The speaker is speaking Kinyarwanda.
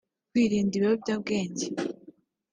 kwirinda ibiyobyabwenge